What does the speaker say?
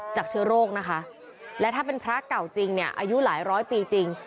เชื้อโรคนะคะและถ้าเป็นพระเก่าจริงเนี่ยอายุหลายร้อยปีจริง